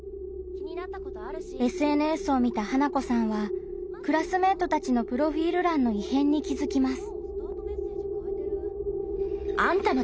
ＳＮＳを見た花子さんはクラスメートたちのプロフィール欄の異変に気づきます。